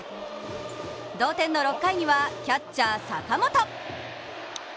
同点の６回にはキャッチャー・坂本。